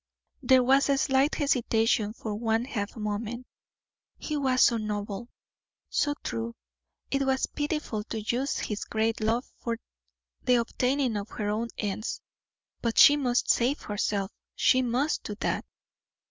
There was a slight hesitation for one half moment; he was so noble, so true. It was pitiful to use his great love for the obtaining of her own ends; but she must save herself she must do that.